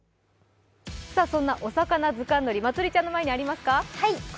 そんなおさかなずかんのり、まつりちゃんの前にありますか？